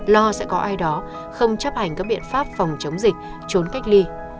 lo sẽ có ai đó không chấp hành các biện pháp phòng chống dịch trốn cách ly